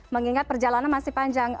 mengingat perjalanan masih panjang